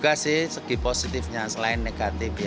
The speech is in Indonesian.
juga sih segi positifnya selain negatif ya